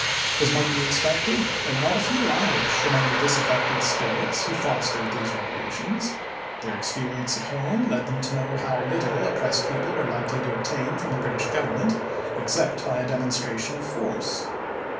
As might be expected, there were not a few Irish among the disaffected spirits who fostered these revolutions. Their experience at home led them to know how little oppressed people were likely to obtain from the British Government except by a demonstration of force.